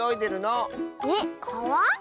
えっかわ？